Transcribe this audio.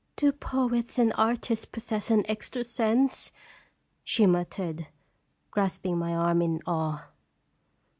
"Do poets and artists possess an extra sense?" she muttered, grasp ing my arm in awe.